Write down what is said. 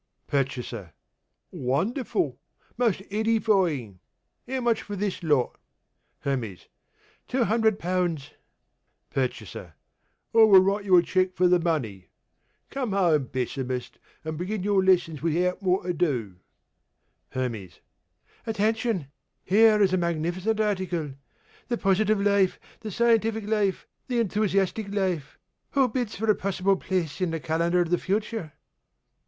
PURCHASER: Wonderful! Most edifying! How much for this lot? HERMES: Two hundred pounds. PURCHASER: I will write you a cheque for the money. Come home, Pessimist, and begin your lessons without more ado. HERMES: Attention! Here is a magnificent article the Positive Life, the Scientific Life, the Enthusiastic Life. Who bids for a possible place in the Calendar of the Future?